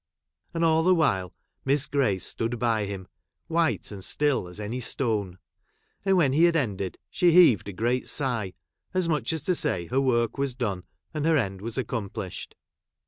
And, all the while. Miss Grace stood by him, fwhite and still as any stone ; and when he had ended slie heaved a great sigh, as much as to say her work A\"as dope, and her end was accomplished.